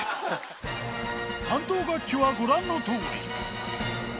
担当楽器はご覧のとおり。